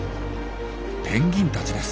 ペンギンたちです。